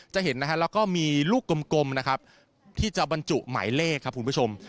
จะเห็นนะฮะแล้วก็มีลูกกลมนะครับที่จะบรรจุหมายเลขครับคุณผู้ชม